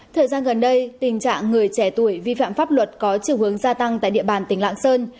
thời gian gần đây tình trạng người trẻ tuổi vi phạm pháp luật có chiều hướng gia tăng tại địa bàn tỉnh lạng sơn